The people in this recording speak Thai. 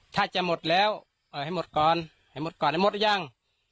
ถ้าจะหมดแล้วให้หมดก่อนหมดก่อนหมดหรือยัง